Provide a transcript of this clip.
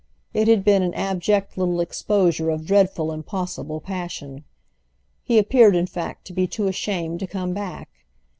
It had been an abject little exposure of dreadful impossible passion. He appeared in fact to be too ashamed to come back.